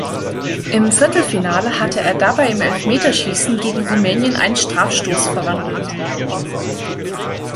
Im Viertelfinale hatte er dabei im Elfmeterschießen gegen Rumänien einen Strafstoß verwandelt.